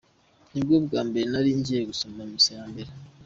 Nibwo bwa mbere nari ngiye gusoma misa ya mbere.